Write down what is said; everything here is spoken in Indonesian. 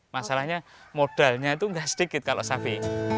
masalahnya modalnya itu nggak sedikit kalau safi